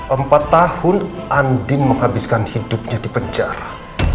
empat tahun andin menghabiskan hidupnya di penjara